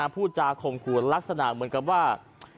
ผู้จากคมครูลักษณะเหมือนกับว่า